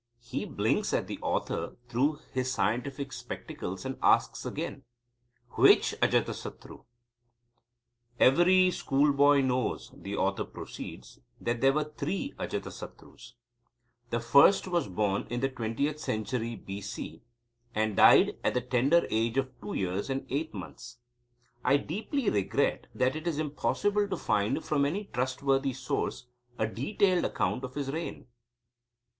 He blinks at the author through his scientific spectacles, and asks again: "Which Ajatasatru?" "Every schoolboy knows," the author proceeds, "that there were three Ajatasatrus. The first was born in the twentieth century B.C., and died at the tender age of two years and eight months, I deeply regret that it is impossible to find, from any trustworthy source, a detailed account of his reign.